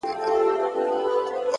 پرمختګ د ننني اقدام محصول دی!